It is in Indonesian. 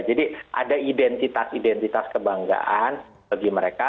ada identitas identitas kebanggaan bagi mereka